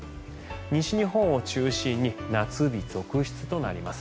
西日本を中心に夏日、続出となります。